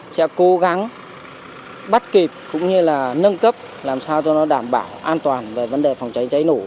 sẽ cố gắng bắt kịp cũng như là nâng cấp làm sao cho nó đảm bảo an toàn về vấn đề phòng cháy cháy nổ